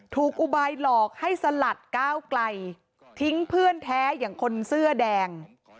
อุบายหลอกให้สลัดก้าวไกลทิ้งเพื่อนแท้อย่างคนเสื้อแดง